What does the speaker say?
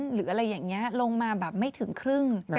หรืออะไรอย่างนี้ลงมาแบบไม่ถึงครึ่ง